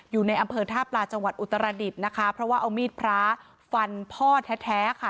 อยู่ในอำเภอท่าปลาจังหวัดอุตรดิษฐ์นะคะเพราะว่าเอามีดพระฟันพ่อแท้ค่ะ